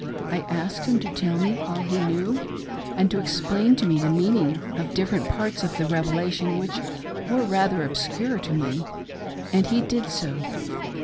I asked him to tell me all he knew, and to explain to me the meaning of different parts of the Revelation which were rather obscure to me ; and he did so.